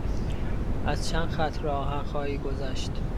از چند خط راه آهن خواهی گذشت.